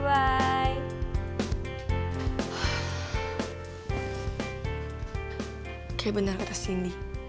kayak bener kata cindy